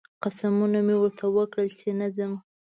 قسمونه مې ورته وکړل چې نه ځم